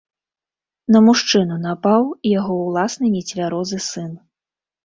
На мужчыну напаў яго ўласны нецвярозы сын.